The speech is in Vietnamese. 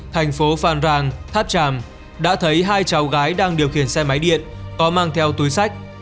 thành phố phan rang tháp tràm đã thấy hai cháu gái đang điều khiển xe máy điện có mang theo túi sách